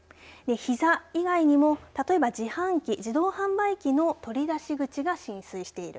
ひざ以外にも例えば自販機自動販売機の取り出し口が浸水している。